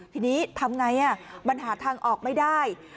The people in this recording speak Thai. ทีนี้ทำไงมันหาทางออกไม่ได้